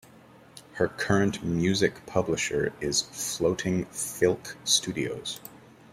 Her current music publisher is Floating Filk Studios.